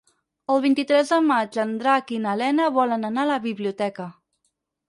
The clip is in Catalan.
El vint-i-tres de maig en Drac i na Lena volen anar a la biblioteca.